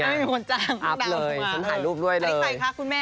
นี่ไงอัปเลยฉันหายรูปด้วยเลยไม่มีคนจางกูมา